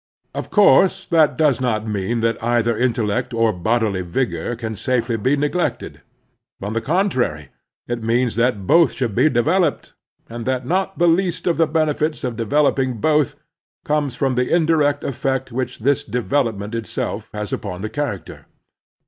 Of course this does not mean that either intel lect or bodily vigor can safely be neglected. On the contrary, it means that both should be developed, and that not the least of the benefits of developing both comes from the indirect effect which this development itself has upon the character.